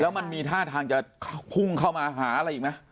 แล้วมันมีท่าทางจะพุ่งเข้ามาหาอะไรอีกไหม